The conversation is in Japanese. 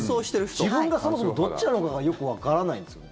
自分がそもそもどっちなのかがよくわからないんですよね。